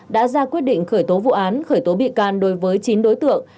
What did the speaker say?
đã ra quyết định khởi tố vụ án khởi tố bị can đối với chín đối tượng